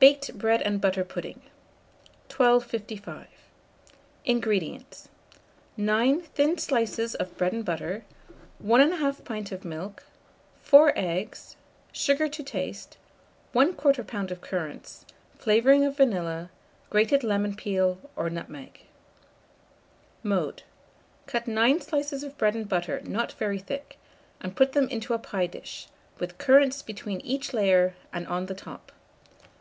BAKED BREAD AND BUTTER PUDDING. 1255. INGREDIENTS. 9 thin slices of bread and butter, 1 1/2 pint of milk, 4 eggs, sugar to taste, 1/4 lb. of currants, flavouring of vanilla, grated lemon peel or nutmeg. Mode. Cut 9 slices of bread and butter not very thick, and put them into a pie dish, with currants between each layer and on the top.